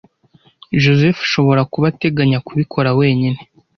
Joseph ashobora kuba ateganya kubikora wenyine.